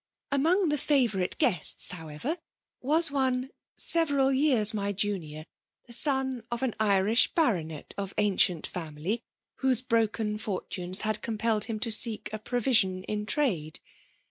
" Among the favourite guests^ however^ waa one> several years my junior, the son of an Irish Baronet of ancient family* whose broken fori tunes had compelled him to sock a provision in trade.